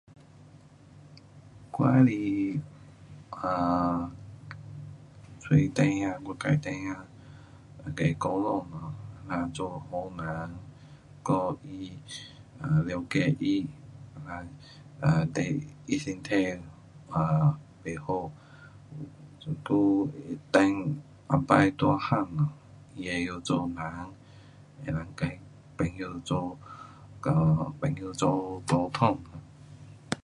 我喜欢，[um]找孩儿，我自的孩儿，跟他讲[um]做好人，顾他，[um]了解他，[um]等他身体[um]不好，这久等后次大个了他会晓做人，能够跟朋友做，跟朋友做沟通。